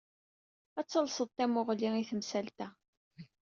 Ad talsed tamuɣli i temsalt-a.